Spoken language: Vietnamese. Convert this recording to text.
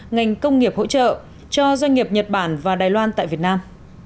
ngành công nghiệp hỗ trợ cho doanh nghiệp nhật bản và đài loan tại việt nam